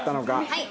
はい。